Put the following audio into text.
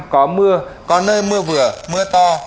có mưa có nơi mưa vừa mưa to